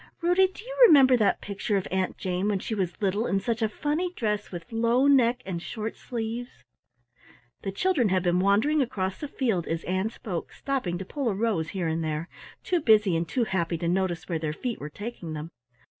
Ruddy, do you remember that picture of Aunt Jane when she was little in such a funny dress with low neck and short sleeves " The children had been wandering across the field as Ann spoke, stopping to pull a rose here and there, too busy and too happy to notice where their feet were taking them.